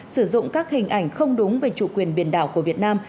sử dụng các hình ảnh không đúng về chủ quyền biển đảo của việt nam